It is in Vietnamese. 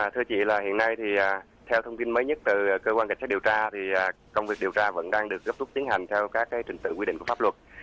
thưa chị hiện nay theo thông tin mới nhất từ cơ quan điều tra công việc điều tra vẫn đang được gấp túc tiến hành theo các truyền tự quy định của pháp luật